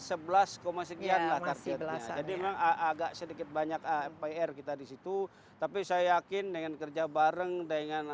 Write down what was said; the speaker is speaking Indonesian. sekian lagi belasan agak sedikit banyak air kita disitu tapi saya yakin dengan kerja bareng dengan